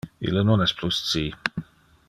Ille non es plus ci.